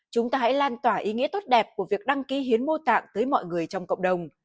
chúng ta hãy lan tỏa ý nghĩa tốt đẹp của việc đăng ký hiến mô tạng tới mọi người trong cộng đồng